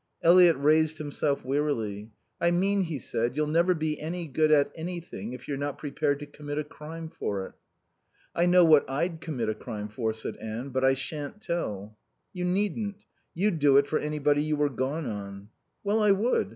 Eliot raised himself wearily. "I mean," he said, "you'll never be any good at anything if you're not prepared to commit a crime for it." "I know what I'd commit a crime for," said Anne. "But I shan't tell." "You needn't. You'd do it for anybody you were gone on." "Well, I would.